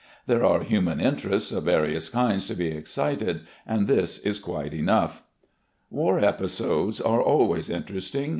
There are human interests of various kinds to be excited, and this is quite enough. War episodes are always interesting.